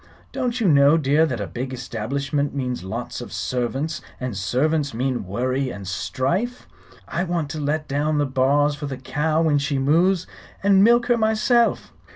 Don't you know, dear, that a big establishment means lots of servants, and servants mean worry and strife? I want to let down the bars for the cow when she moos, and milk her myself."